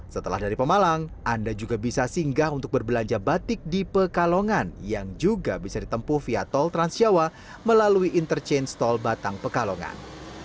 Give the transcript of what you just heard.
setelah dari pemalang anda juga bisa singgah untuk berbelanja batik di pekalongan yang juga bisa ditempuh via tol transjawa melalui interchange tol batang pekalongan